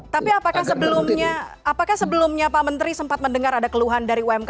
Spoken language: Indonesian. tapi apakah sebelumnya pak menteri sempat mendengar ada keluhan dari pak menteri